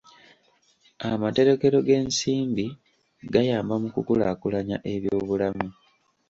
Amaterekero g'ensimbi gayamba mu kukulaakulanya eby'obulamu.